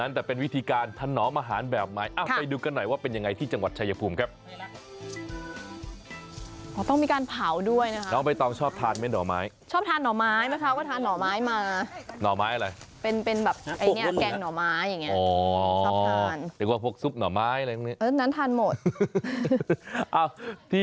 อะไรต้องมีหน่อไม้บึ้นหน่อไม้ขี่มอเตยหรือไง